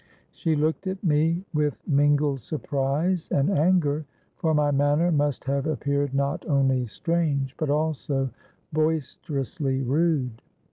She looked at me with mingled surprise and anger; for my manner must have appeared not only strange, but also boisterously rude.